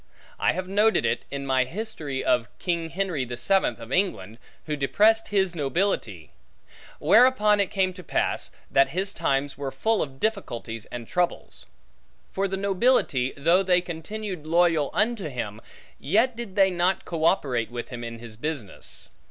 I have noted it, in my History of King Henry the Seventh of England, who depressed his nobility; whereupon it came to pass, that his times were full of difficulties and troubles; for the nobility, though they continued loyal unto him, yet did they not co operate with him in his business.